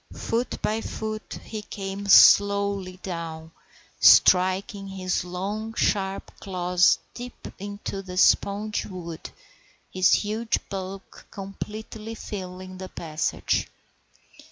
Foot by foot he came slowly down, striking his long, sharp claws deep into the spongy wood, his huge bulk completely filling the passage.